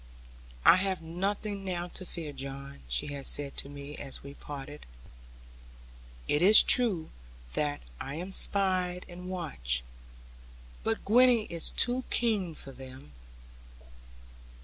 'I have nothing now to fear, John,' she had said to me, as we parted; 'it is true that I am spied and watched, but Gwenny is too keen for them.